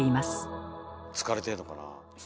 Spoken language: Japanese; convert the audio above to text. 疲れてんのかなあ。